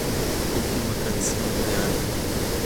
Última canción del álbum.